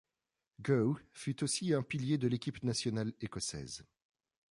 Gough fut aussi un pilier de l'équipe nationale écossaise.